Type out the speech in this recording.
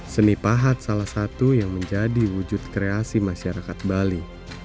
seni pahat salah satu yang menjadi wujud kreasi masyarakat bali